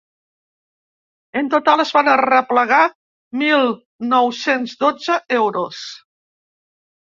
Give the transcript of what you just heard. En total es van arreplegar mil nou-cents dotze euros.